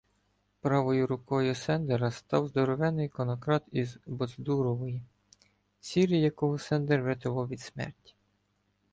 Правою рукою Сендера став здоровенний конокрад із Боцдурової Сірий, якого Сендер врятував від смерті.